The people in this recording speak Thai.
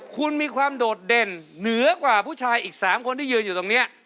คุณมีความโดดเด่นเหนือกว่าผู้ชายอีก๓คนที่ยืนอยู่ตรงนี้